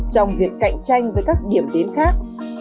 trong việc cạnh tranh với các điểm đến khác